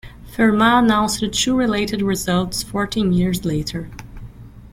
Fermat announced two related results fourteen years later.